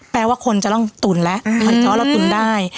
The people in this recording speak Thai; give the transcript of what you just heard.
แปลว่าคนจะต้องตุ๋นและเพราะฉะนั้นเราตุ๋นได้